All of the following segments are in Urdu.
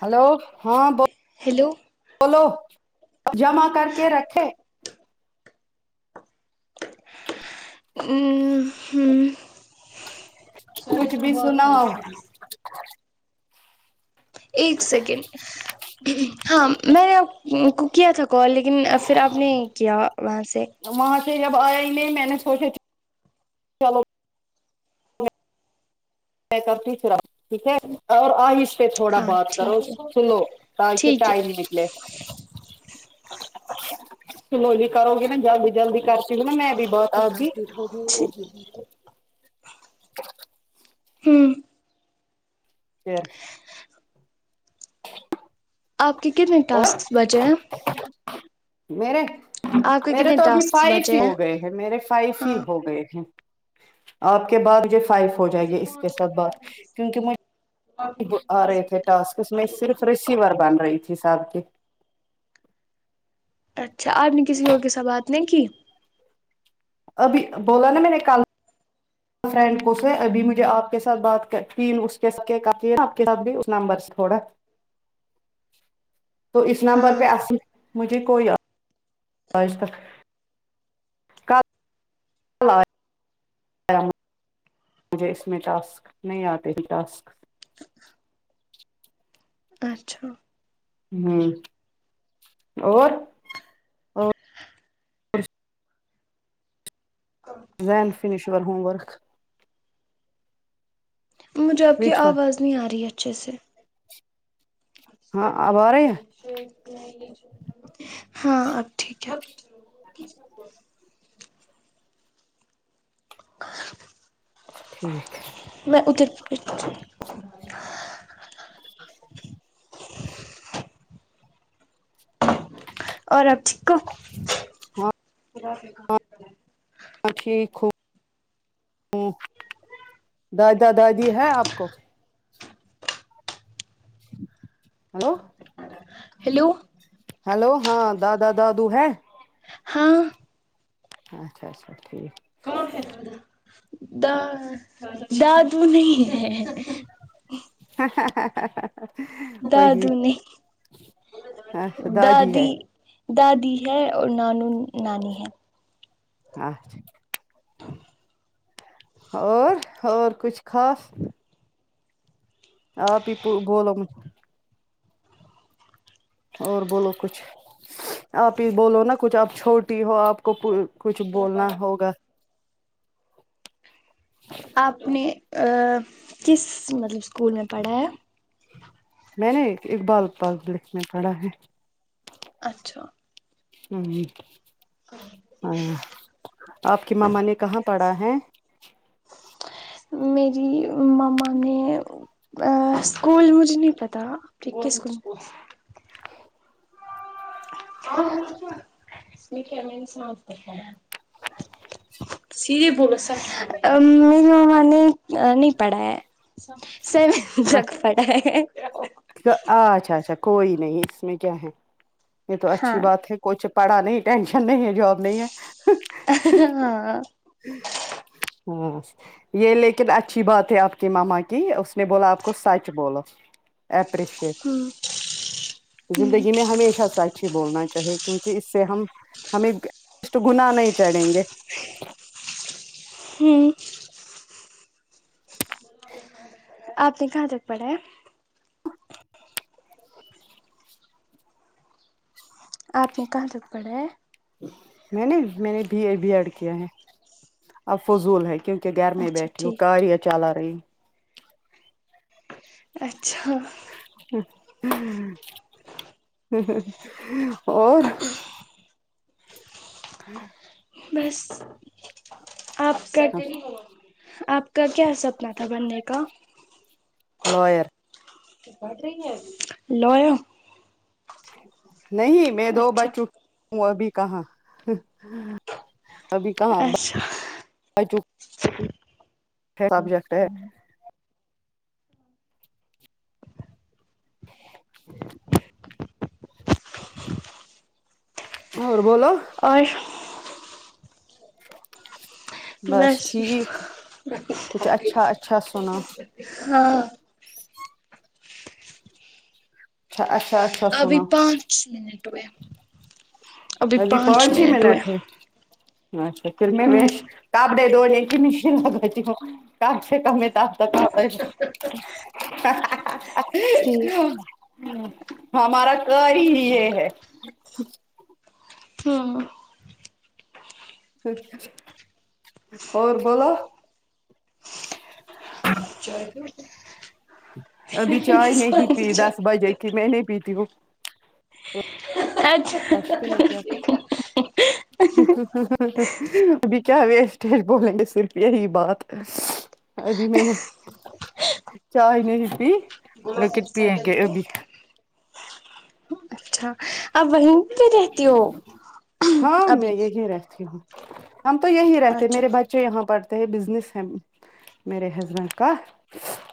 ہلو ہاں ب ہیلو بولو جمع کر کے رکھے کچھ بھی سناؤ [unintelligible] [inaudible] ایک سیکنڈ ہاں میں نے کو کیا تھا کال لیکن لیکن پھر آپ نے کیا وہاں سے وہاں سے جب آیایں نہیں میں نے سوچا تھ میں کرتی ہو پھرا اپ کو ٹھیک ہے اور آہش پہ تھوڑا ہاں بہت کرو ٹھیک ہے سلو تاک ٹھیک ہے [unintelligible] سنولی کرو گے نا جلدی جلدی کر [unintelligible] ہوں [unintelligible] آپ کے کتنے اور ٹاسکس بچے ہیں میرے آپ کے میرے کتنے تو ابھی ٹاسکس فائیف ہی بچے ہو گئے ہیں میرے فائیف ہاں ہی ہو گئے ہیں آپ کے بعد مجھے فائف ہو جائے گی اس کے ساتھ بات کیونکی مجھ آ رہے تھے ٹسکس اس میں صرف ریسیور بن رہی تھی ساب کی اچھا آپ نے کسی اور کے سا بات نہیں کی ابھی بولا نا میں نے کل فرینڈ کو ابھی مجھے آپ کے سات بات کرتی کے نمبرس تھوڑا تو اس نمبر ہاں پے اصل مجھے کوئی آج تک کل آیا مجھے اس میں ٹاسک نہیں آتے تھی ٹاسکس اچھا ہمم اور Zain finish your homework مجھے آپ کی وچ ون آواز نہیں آ رہی ہے اچھے سے ہاں اب آ رہے ہیں ہاں اب ٹھیک ہے اچھا ٹھیک میں ادھر [inaudible] اور اب تھک ہو ہے ہاں ٹھیک ہو دادہ دادی ہے آپ کو ہیلو ہیلو ہیلو ہاں دادا دادو ہے ہاں اچھا اچھا ٹھیک دا دادو نہیں ہے وہ ہی دادو نہیں دادی ہے دادی ہے اور نانو نانی ہے آچھا اور اور کچھ خاص آپ ہی بولو اور بولو کچھ آپ ہی بولو نا کچھ آپ چھوٹی ہو آپ کو کچھ بولنا ہوگا آپ نے کس مطلب اسکول میں پڑھا ہے میں نے اقبال پبلکھ میں پڑھا ہے اچھا ہمم ہاں آپ کی ماما نے کہاں پڑھا ہے میری مما نے اسکول مجھے نہیں پتا کی کس سکول [unintelligible] آ میری مما نے نہیں پڑھا ہے سیون تک پڑھا ہے اچھا اچھا کوئی نہیں اس میں کیا ہے یے تو اچھی ہاں بات ہے کچھ پڑھا نہیں ٹینشن نہیں ہے جاب نہیں ہے ہاں ہاں یے لیکن اچھی بات ہے آپ کی ماما کی اس نے بولا آپ کو سچ بولو ایپریشیٹ ہ زندگی میں ہمیشہ سچ ہی بولنا چاہیے کیونکی اس سے ہم ہمیں اس تو گنا نہیں چڑھیں گے ہمم آپ نے کہاں تک پڑھا ہے آپ نے کہاں تک پڑھا ہے میں نے میں نے بی اے بی ایڈ کیا ہے اب فضول ہے کیونکہ گھر میں اچھا بیٹھی ہوں ٹھیک کاریا چلا رہی اچھا اور ہ بس آپ کا آپ کا کیا سپ نا تھا بننے کا لائر لائر نہیں میں دو بچ چک ہوں ابھی کہاں ابھی کہاں اچھا [unintelligible] اور بولو اور بس ٹھیک کچھ اچھا اچھا سنا ہاں اچھا اچھا ابھی سنا پانچ منٹ ہوے ابھی پانچ ہی منٹ ہے ہوں [unintelligible] ٹھیک [unintelligible] ہمارا کر ہی یہ ہے ہمم اور بولو [unintelligible] ابھی چائی نہیں پی دس بجے کی مہینے پیتھی وہ اچھا [unintelligible] ابھی کیا ویسٹ ہے بولیں گے صرف یہی بات ابھی میں نے چائے نہیں پی لیکن پینگے ابھی اب وہیں پے رہتی ہو ابھی مے رہتی ہوں ہم تو یہی رہتے اچھا میرے بچے یہاں پڑھتے ہیں بسسنسس ہے میرے ہسبنڈ کا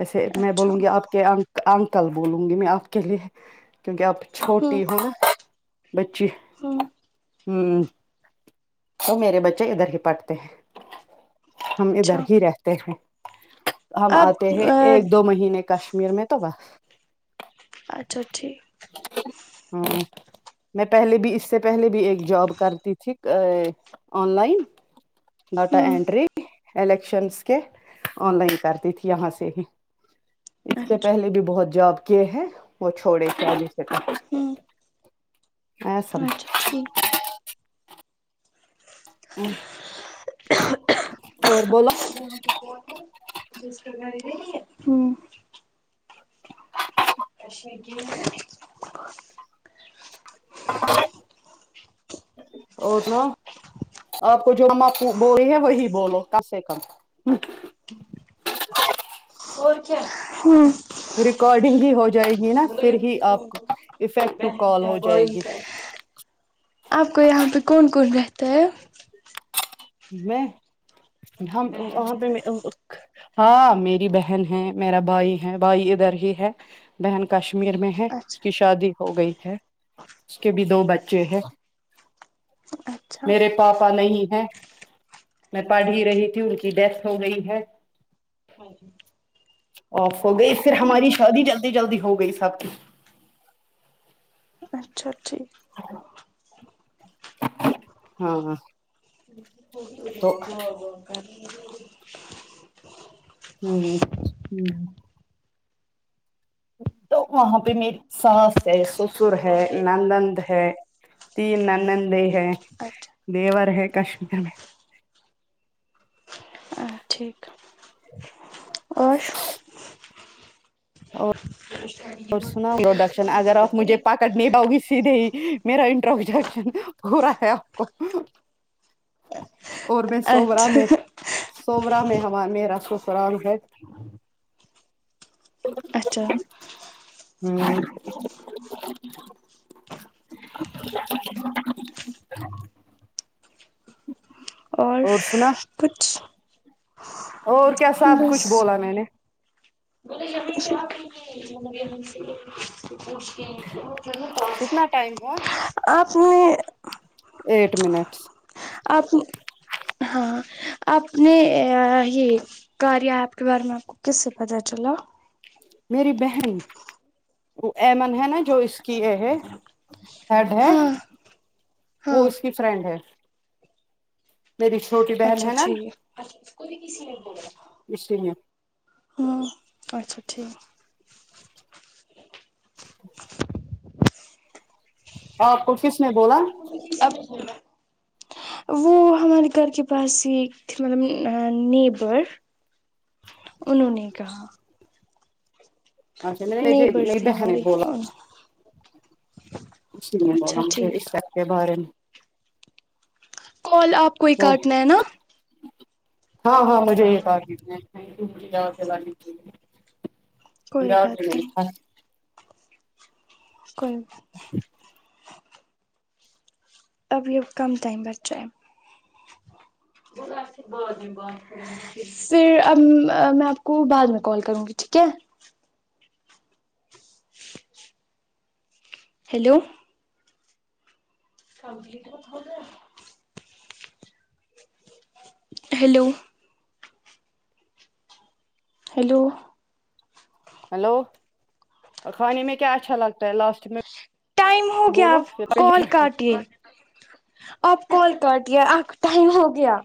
ایسے میں اچھا بولوں گی آپ کے ا انکل بولوں گی میں آپ کے لیے کیونکہ آپ ہوں چھوٹی ہونہ بچی ہوں ہمم تو میرے بچے ادھر ہی پڑھتے ہیں ہم ادھر اچھا ہی رہتے ہیں ہم اب آتے ہیں ایک دو مہینے کشمیر میں تو اچھا ٹھیک ہاں میں پہلے بھی اس سے پہلے بھی ایک جوب کرتی تھی آن لائن ڈیٹا ہوں انٹری الیکشنس کے آن لائن کرتی تھی یہاں سے ہی اس سے اچھا پہلے بھی بہت جاب کیے ہیں وہ چھوڑے [inaudible] سے ہوں آیا سم اچھا ٹھیک اور بولو [inaudible] ہوں [unintelligible] اور سناؤ آپ کو جو ہم آپ کو بولی ہے وہی بولو کم سے کم اور کیا ہوں ریکارڈنگ ہی ہو جائے گی نا فر ہی آپ کو افیکٹو کال ہو جائے گی آپ کو یہاں پہ کون کون رہتا ہے میں ہم وہاں پہ ہاں میری بہن ہے میرا بھائی ہے بھائی ادھر ہی ہے بہن کشمیر میں ہے اس اچھا کی شادی ہو گئی ہے اس کے بھی دو بچے ہیں اچھا میرے پاپا نہیں ہے میں پڑ ہی رہی تھی ان کی ڈیتھ ہو گئی ہے آف ہو گئی پھر ہماری شادی جلدی جلدی ہو گئی سب کی اچھا ٹھیک ہاں تو ہم ہوں تو وہاں پہ میری ساس ہے سسر ہے نالند ہے تین ننند ہے اچھا دیور ہے کشمیر میں ٹھیک اور اور اور سنا پروڈکشن اگر آپ جھے پکٹ نہیں پاؤی سید دے ہی میرا انٹروڈکشن ہورا ہے آپ کو اور میں سورا میں اچھا سورا میں ہم میرا سسرال ہے اچھا ہم اور کچھ اور کیا سب بس کچھ بولا میں نے کتنا ٹائم ہوا آپ نے ایٹ منٹس آپ ہاں اپنے یہ کار یا ایپ کے بارے میں آپ کو کس سے پتہ چلا میری بہن وہ ایمن ہے نا جو اس کی یہ ہے ہیڈ ہے ہاں وہ ہاں اس کی فرینڈ ہے میری چھوٹی اچھا بہن ہے نا اچھا جی اس لیے ہاں اچھا ٹھیک ہاں کفس میں بولا اب وہ ہمارے گھر کے پاس ہی مطلب نیبر انہوں نے کہا اچھا م نے یہ نیبر میری تھے بہنے ہمارے بولا اسی لیے وہ اچھا ہم سی اس ٹھیک سب کے بارے میں کال آپ کو ہی تو کاٹنا ہے نا ہاں ہاں مجھے یہ کوئی بات نہیں [unintelligible] کوئی اب یہب کم ٹائم بچچائے ہے وہ گس بعادی بات پھر اب میں آپ کو بعد میں کال کروں گی ٹھیک ہے ہیلو [inaudible] ہیلو ہیلو ہیلو کھانے میں کیا اچھا لگتا ہے لاسٹ میں ٹائم ہو گیا بولو آپ کال پھر کاٹیے اب کال کرٹیا آپ کا ٹائم ہو گیا